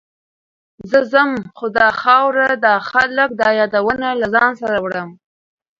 زه ځم، خو دا خاوره، دا خلک، دا یادونه له ځان سره وړم.